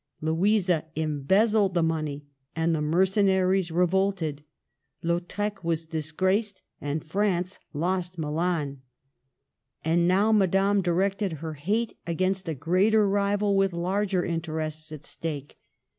Louisa embezzled the money, and the mercenaries revolted. Lautrec was disgraced, and France lost Milan. And now Madame directed her hate against a greater rival with larger interests at stake.